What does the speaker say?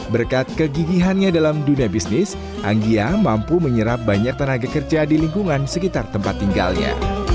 berkat kegigihannya dalam dunia bisnis anggia mampu menyerap banyak tenaga kerja di lingkungan sekitar tempat tinggalnya